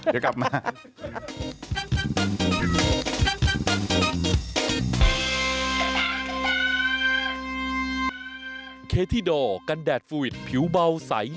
เดี๋ยวกลับมา